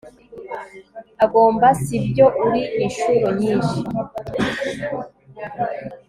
Agomba si byo uri inshuro nyinshi